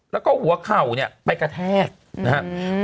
แล้วก็หัวเข่าเนี่ยไปกระแทกนะครับ